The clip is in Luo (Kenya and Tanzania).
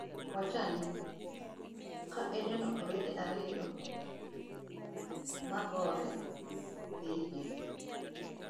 Wacho ni, "ka ineno owete ariyo ma gore, dhi irgi,